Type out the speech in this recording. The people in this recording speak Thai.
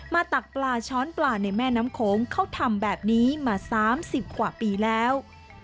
ตักปลาช้อนปลาในแม่น้ำโขงเขาทำแบบนี้มา๓๐กว่าปีแล้ว